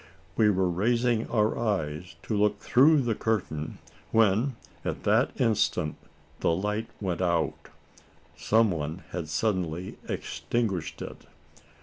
We were raising our eyes to look through the curtain, when at that instant the light went out. Some one had suddenly extinguished it!